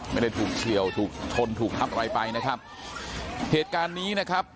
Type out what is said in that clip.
ไม่ได้ถูกเฉียวถูกชนถูกทับอะไรไปนะครับเหตุการณ์นี้นะครับ